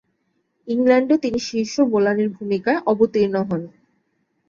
ইংল্যান্ডে তিনি শীর্ষ বোলারের ভূমিকায় অবতীর্ণ হন।